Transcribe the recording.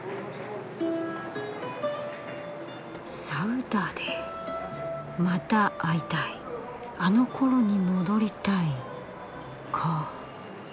「サウダーデ」また会いたいあのころに戻りたいか。